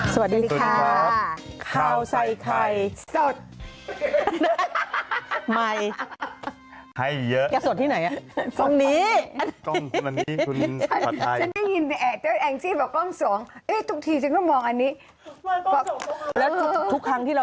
สวัสดีค่ะข้าวใส่ไข่สดใหม่ให้เยอะอยากสดที่ไหนอ่ะตรงนี้